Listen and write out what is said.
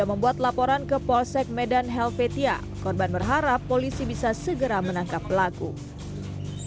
aksi pria ini terbilang nekat karena saat mencuri orang tua pemilik toko sedang menyapu di depan toko dan tidak mengetahui pelaku masuk